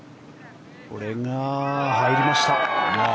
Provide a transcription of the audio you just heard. これが入りました。